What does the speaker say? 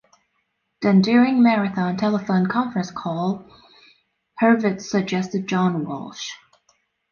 Then, during a marathon telephone conference call, Herwitz suggested John Walsh.